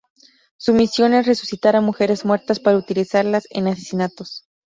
Su misión es resucitar a mujeres muertas para utilizarlas en asesinatos.